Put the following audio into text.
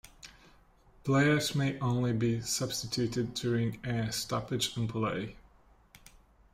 Players may only be substituted during a stoppage in play.